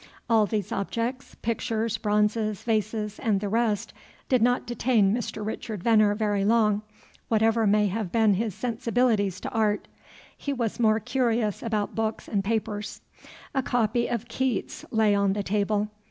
All these objects, pictures, bronzes, vases, and the rest, did not detain Mr. Richard Veneer very long, whatever may have been his sensibilities to art. He was more curious about books and papers. A copy of Keats lay on the table.